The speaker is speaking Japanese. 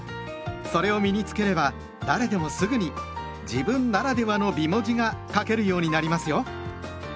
それを身に付ければ誰でもすぐに「自分ならではの美文字」が書けるようになりますよ。